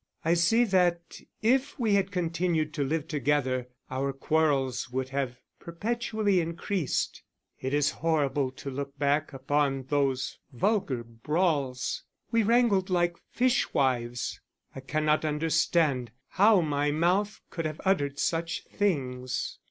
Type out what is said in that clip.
I see that if we had continued to live together our quarrels would have perpetually increased. It is horrible to look back upon those vulgar brawls we wrangled like fishwives. I cannot understand how my mouth could have uttered such things.